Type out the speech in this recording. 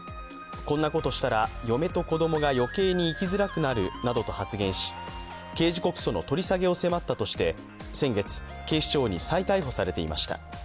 こんなことしたら嫁と子供が余計に生きづらくなるなどと発言し、刑事告訴の取り下げを迫ったとして、先月、警視庁に再逮捕されていました。